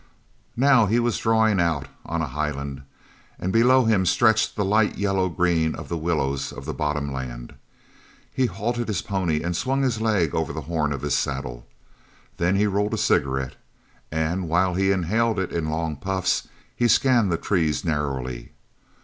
Now he was drawing out on a highland, and below him stretched the light yellow green of the willows of the bottom land. He halted his pony and swung a leg over the horn of his saddle. Then he rolled a cigarette, and while he inhaled it in long puffs he scanned the trees narrowly.